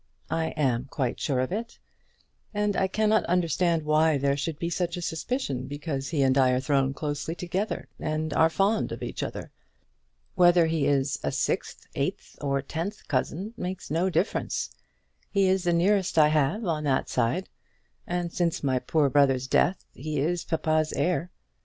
"I am quite sure of it. And I cannot understand why there should be such a suspicion because he and I are thrown closely together, and are fond of each other. Whether he is a sixth, eighth, or tenth cousin makes no difference. He is the nearest I have on that side; and since my poor brother's death he is papa's heir.